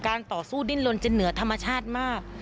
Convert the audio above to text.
ต่อสู้ดิ้นลนจนเหนือธรรมชาติมาก